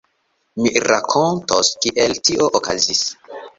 Mi rakontos, kiel tio okazis.